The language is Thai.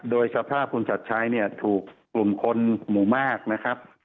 โดยสภาพคุณชัดชัยเนี่ยถูกกลุ่มคนหมู่มากนะครับ